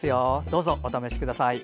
どうぞ、お試しください。